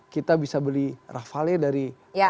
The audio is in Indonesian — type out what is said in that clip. kita bisa beli rafale dari